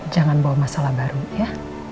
jangan bawa masalah baru ya